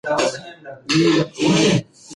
تاسو باید ماشومان له ځان سره واخلئ.